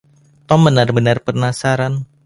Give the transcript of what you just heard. Tom benar-benar penasaran.